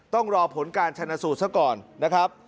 ต้องรอผลการชนะสูตรซะก่อนนะครับ